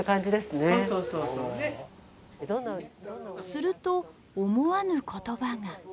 すると思わぬ言葉が。